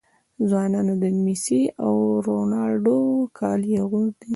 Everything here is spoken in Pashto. ځوانان د میسي او رونالډو کالي اغوندي.